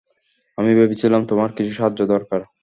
আমি ভেবেছিলাম তোমার কিছু সাহায্য দরকার।